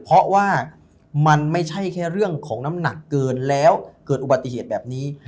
เพราะว่ามันไม่ใช่แค่เรื่องของน้ำหนักเกินแล้วเกิดอุบัติเหตุแบบนี้